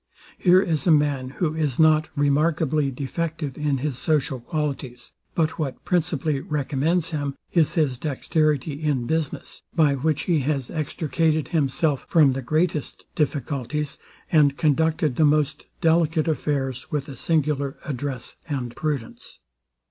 Here is a man, who is not remarkably defective in his social qualities; but what principally recommends him is his dexterity in business, by which he has extricated himself from the greatest difficulties, and conducted the most delicate affairs with a singular address and prudence.